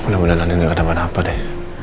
mudah mudahan andien gak ada mana apa deh